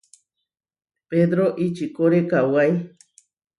Pedró čikóre kawái.